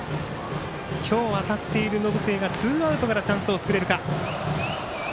今日、当たっている延末がツーアウトからチャンスを作れるか。